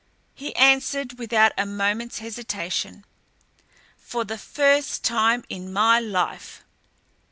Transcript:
He answered without a moment's hesitation. "For the first time in my life!"